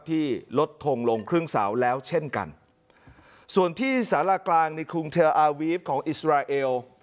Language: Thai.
ที่ลดทงลงครึ่งเสาแล้วเช่นกันส่วนที่สารากลางในกรุงเทลอาวีฟของอิสราเอล